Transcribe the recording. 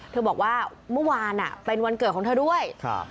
เธอบอกว่าเมื่อวานเป็นวันเกิดของเธอด้วย